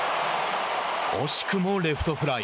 惜しくもレフトフライ。